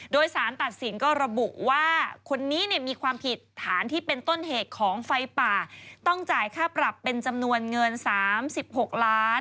โดยสารตัดสินก็ระบุว่าคนนี้มีความผิดฐานที่เป็นต้นเหตุของไฟป่าต้องจ่ายค่าปรับเป็นจำนวนเงิน๓๖ล้าน